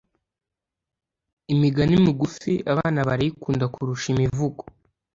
Imigani migufi abana barayikunda kurusha imivugo